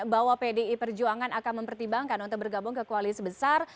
bahwa pdi perjuangan akan mempertimbangkan untuk bergabung ke koalisi besar